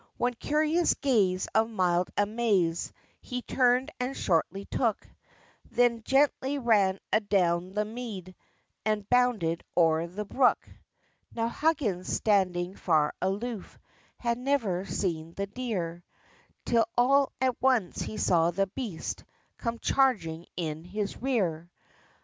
One curious gaze of mild amaze, He turned and shortly took; Then gently ran adown the mead, And bounded o'er the brook. Now Huggins, standing far aloof, Had never seen the deer, Till all at once he saw the beast Come charging in his rear.